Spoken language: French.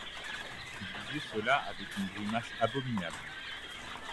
Il disait cela avec une grimace abominable.